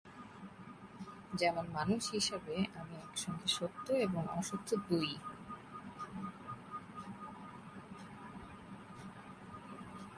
যেমন মানুষ হিসাবে আমি একসঙ্গে সত্য এবং অসত্য দুই-ই।